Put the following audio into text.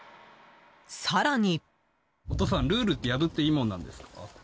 更に。